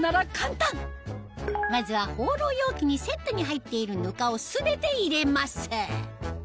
まずはホーロー容器にセットに入っているぬかを全て入れます